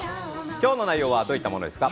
今日の内容はどういったものですか？